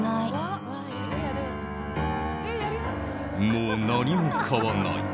もう何も買わない。